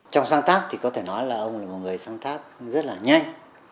trong sáng tác thì có thể nói là ông là một người sáng tác rất là nhanh